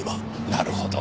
なるほど。